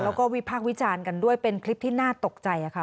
แล้วก็วิพากษ์วิจารณ์กันด้วยเป็นคลิปที่น่าตกใจค่ะ